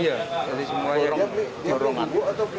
iya dari semua yang di borongan